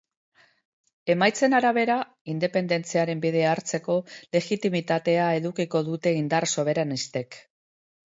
Emaitzen arabera, independentziaren bidea hartzeko legitimitatea edukiko dute indar soberanistek.